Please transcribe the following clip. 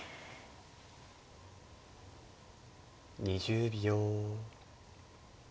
２０秒。